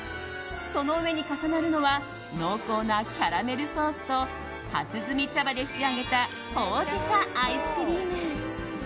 その上に重なるのは濃厚なキャラメルソースと初摘み茶葉で仕上げたほうじ茶アイスクリーム。